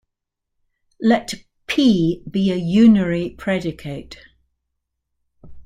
Let "p" be a unary predicate.